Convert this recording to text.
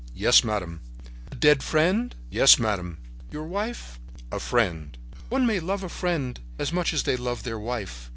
"'Yes, madame.' "'A dead friend?' "'Yes, madame.' "'Your wife?' "'A friend.' "'One may love a friend as much as they love their wife.